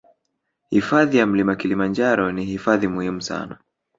Hifadhi ya mlima kilimanjaro ni hifadhi muhimu sana